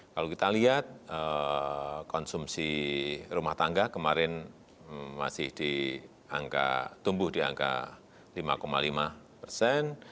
kalau kita lihat konsumsi rumah tangga kemarin masih di angka tumbuh di angka lima lima persen